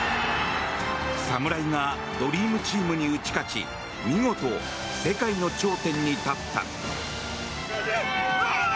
侍がドリームチームに打ち勝ち見事、世界の頂点に立った。